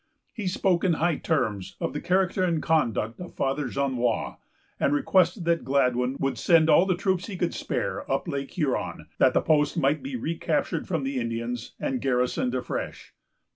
He spoke in high terms of the character and conduct of Father Jonois, and requested that Gladwyn would send all the troops he could spare up Lake Huron, that the post might be recaptured from the Indians, and garrisoned afresh.